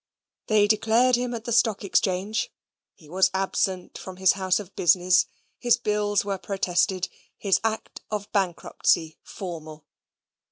They declared him at the Stock Exchange; he was absent from his house of business: his bills were protested: his act of bankruptcy formal.